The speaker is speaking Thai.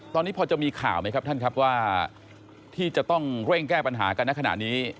ตอนนี้พอจะมีข่าวไหมครับท่านครับว่าที่จะต้องเร่งแก้ปัญหากันในขณะนี้